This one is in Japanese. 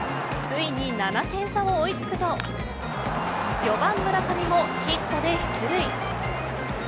ついに７点差を追い付くと４番村上もヒットで出塁。